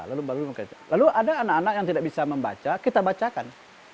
lalu ada anak anak yang tidak bisa membaca kita bacakan